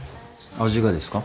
味がですか？